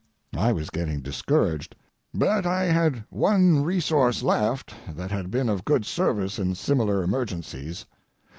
I was getting discouraged, but I had one resource left that had been of good service in similar emergencies.